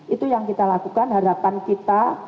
itu yang kita lakukan harapan kita